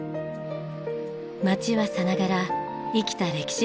街はさながら生きた歴史博物館。